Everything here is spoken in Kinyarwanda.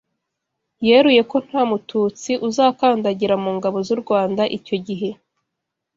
yeruye ko nta mututsi uzakandagira mu Ngabo z’u Rwanda icyo gihe